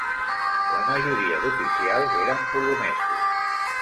La majoria d'oficials eren polonesos.